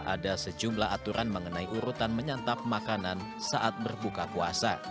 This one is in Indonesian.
ada sejumlah aturan mengenai urutan menyantap makanan saat berbuka puasa